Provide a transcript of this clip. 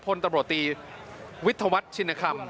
พลตรวจตีวิทวัฒน์ชินครรม